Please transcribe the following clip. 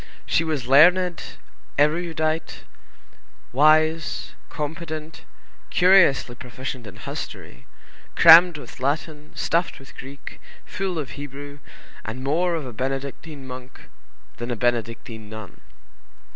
She was learned, erudite, wise, competent, curiously proficient in history, crammed with Latin, stuffed with Greek, full of Hebrew, and more of a Benedictine monk than a Benedictine nun.